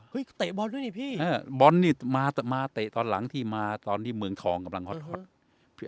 ก็เตะบอลด้วยนี่พี่บอลนี่มาเตะตอนหลังที่มาตอนที่เมืองทองกำลังฮอต